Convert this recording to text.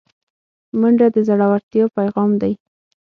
منډه د زړورتیا پیغام دی